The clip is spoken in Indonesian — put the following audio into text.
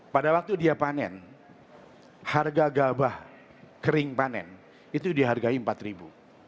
pada waktu dia panen harga gabah kering panen itu dihargai rp empat